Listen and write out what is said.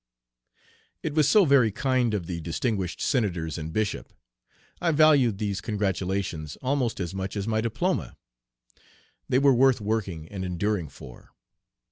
It was so very kind of the distinguished senators and bishop. I valued these congratulations almost as much as my diploma. They were worth working and enduring for.